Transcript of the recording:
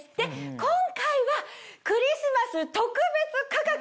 今回はクリスマス特別価格。